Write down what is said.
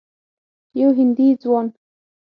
یو هندي ځوان